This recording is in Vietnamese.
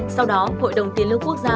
sau đó hội đồng tiền lương quốc gia